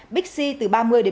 bixi từ ba mươi bốn mươi